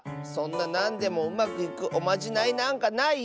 そんななんでもうまくいくおまじないなんかないよ。